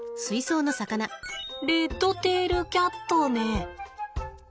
レッドテールキャットね。